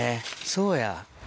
そうや。